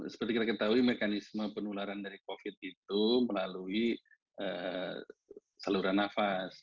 seperti kita ketahui mekanisme penularan dari covid itu melalui saluran nafas